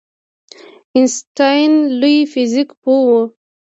آینسټاین لوی فزیک پوه و